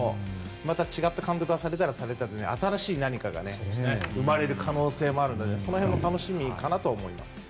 また違った監督がされたらされたで新しい何かが生まれる可能性もあるのでその辺も楽しみかなと思います。